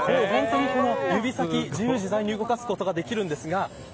指先自由自在に動かすことができます。